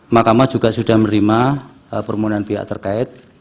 makamah juga sudah menerima permohonan pihak terkait